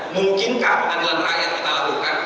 mungkinkah keadilan rakyat kita lakukan